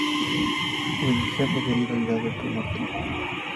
Wilhelm es herido y dado por muerto.